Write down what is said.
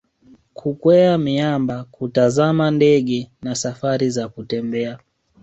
kukwea miamba kutazama ndege na safari za kutembea